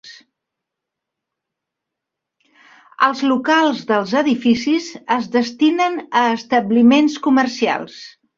Els locals dels edificis es destinen a establiments comercials.